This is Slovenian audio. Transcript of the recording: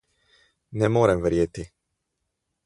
Ne morem verjeti.